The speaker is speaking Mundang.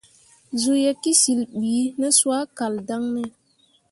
Zuu ye kǝsyil bi ne soa kal daŋ ne ?